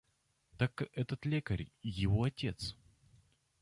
Так этот лекарь его отец.